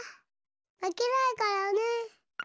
まけないからね！